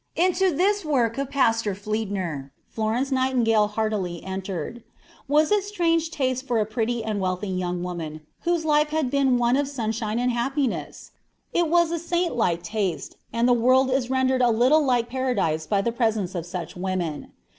Into this work of Pastor Fliedner, Florence Nightingale heartily entered. Was it strange taste for a pretty and wealthy young woman, whose life had been one of sunshine and happiness? It was a saintlike taste, and the world is rendered a little like Paradise by the presence of such women.